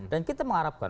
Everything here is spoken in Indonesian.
dan kita mengharapkan